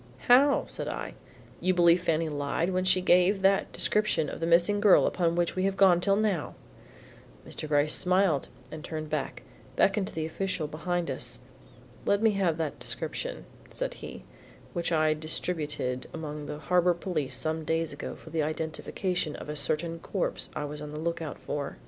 "How!" said I. "You believed Fanny lied when she gave that description of the missing girl upon which we have gone till now?" Mr. Gryce smiled, and turning back, beckoned to the official behind us. "Let me have that description," said he, "which I distributed among the Harbor Police some days ago for the identification of a certain corpse I was on the lookout for."